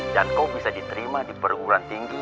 dan kau bisa diterima di perguruan tinggi